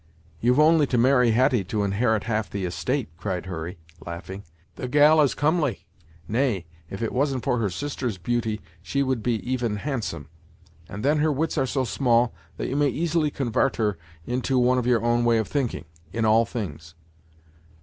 "You've only to marry Hetty to inherit half the estate," cried Hurry, laughing; "the gal is comely; nay, if it wasn't for her sister's beauty she would be even handsome; and then her wits are so small that you may easily convart her into one of your own way of thinking, in all things.